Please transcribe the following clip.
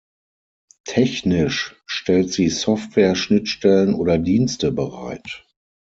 Technisch stellt sie Software-Schnittstellen oder Dienste bereit.